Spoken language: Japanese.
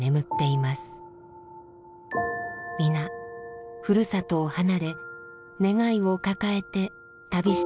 皆ふるさとを離れ願いを抱えて旅した人たちです。